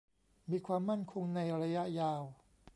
มีความมั่นคงในระยะยาว